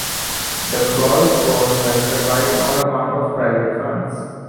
The golf course has survived on account of private funds.